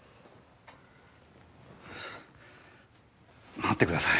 待ってください。